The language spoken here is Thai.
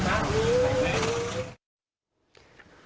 พ่อแม่มาเห็นสภาพศพของลูกร้องไห้กันครับขาดใจ